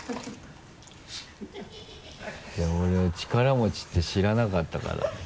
でも俺は力持ちって知らなかったから。